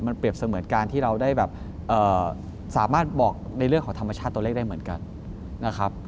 มันเปรียบเสมือนการที่เราได้แบบสามารถบอกในเรื่องของธรรมชาติตัวเลขได้เหมือนกันนะครับ